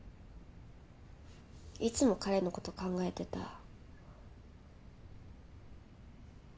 いつも彼のこと考えてた。